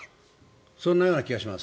そんなような気がします。